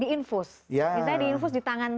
diinfus misalnya diinfus di tangan